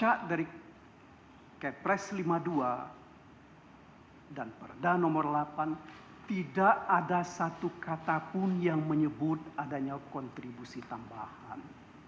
maka dari kepres lima puluh dua dan perda nomor delapan tidak ada satu kata pun yang menyebut adanya kontribusi tambahan